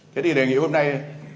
thế thì đề nghị hôm nay